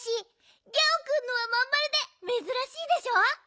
ギャオくんのはまんまるでめずらしいでしょ。